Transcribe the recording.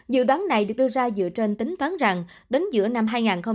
dự đoán này được đưa ra dựa trên tính toán rằng đến giữa năm hai nghìn hai mươi